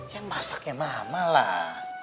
yang masaknya mama lah